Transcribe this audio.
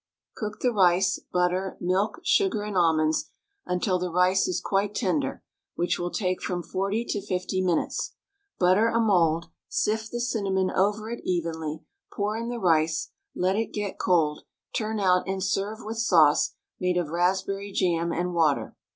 Cook the rice, butter, milk, sugar, and almonds until the rice is quite tender, which will take from 40 to 50 minutes; butter a mould, sift the cinnamon over it evenly, pour in the rice, let it get cold, turn out and serve with sauce made of raspberry jam and water.